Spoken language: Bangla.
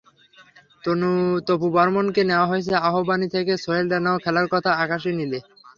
তপু বর্মনকে নেওয়া হয়েছে আবাহনী থেকে, সোহেল রানারও খেলার কথা আকাশি নীলে।